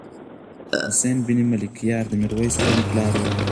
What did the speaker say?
حسين بن ملکيار د ميرويس خان پلار و.